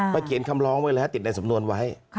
ไปเก็บคำร้องไว้ไว้ติดอะไรที่ติดในสำนวนไว้